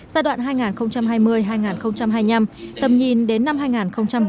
giai đoạn hai nghìn hai mươi hai nghìn hai mươi năm tầm nhìn đến năm hai nghìn ba mươi